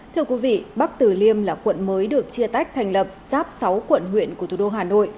thưa quý vị bắc tử liêm là quận mới được chia tách thành lập sắp sáu quận huyện của thủ đô hà nội